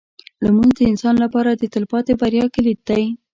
لمونځ د انسان لپاره د تلپاتې بریا کلید دی.